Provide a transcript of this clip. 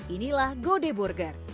inilah gode burger